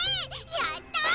やった！